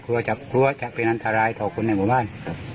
กลัวจะเป็นอันตรายถอบคนในหมู่บ้าน